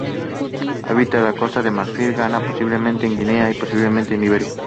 Habita en Costa de Marfil, Ghana, posiblemente Guinea y posiblemente Liberia.